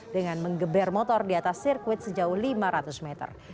dengan mengeber motor di atas sirkuit sejauh lima ratus meter